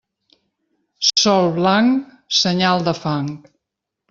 Sol blanc, senyal de fang.